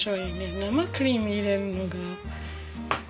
生クリーム入れるのが。